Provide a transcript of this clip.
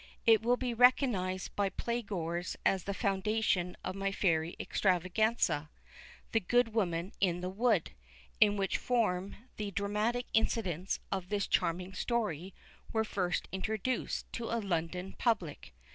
It will be recognised by playgoers as the foundation of my Fairy Extravaganza, The Good Woman in the Wood, in which form the dramatic incidents of this charming story were first introduced to a London public.